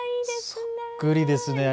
そっくりですね。